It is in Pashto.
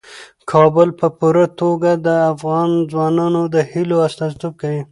کابل په پوره توګه د افغان ځوانانو د هیلو استازیتوب کوي.